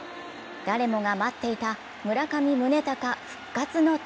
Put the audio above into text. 誰もが待っていた村上宗隆復活の時。